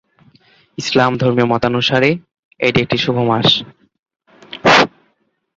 ইসলাম ধর্মীয় মতানুসারে, এটি একটি শুভ মাস।